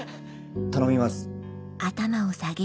頼みます。